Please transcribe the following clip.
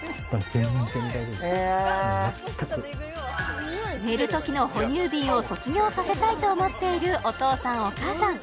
もう全く寝るときの哺乳瓶を卒業させたいと思っているお父さんお母さん